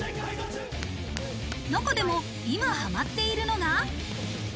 中でも今ハマっているのが。